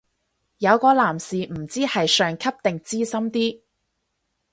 有個男士唔知係上級定資深啲